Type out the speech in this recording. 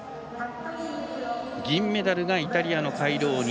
銀メダルがイタリアのカイローニ。